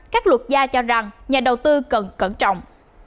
các luật gia cho rằng nhà đầu tư cần cẩn trọng